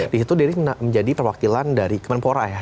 di situ dia juga menjadi perwakilan dari kemenpora